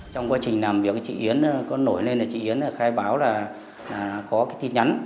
trong quá trình làm việc chị yến khai báo là có tin nhắn